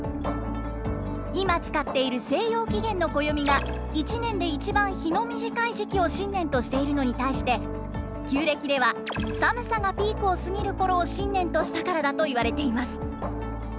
今使っている西洋起源の暦が一年で一番日の短い時期を新年としているのに対して旧暦では寒さがピークを過ぎるころを新年としたからだといわれています。